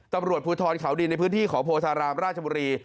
ตำรวจภูทรเขาดินในพื้นที่ขอโพธารามราชบุรี